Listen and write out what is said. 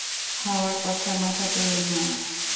খাওয়ার কথা মাথাতেও এনো না।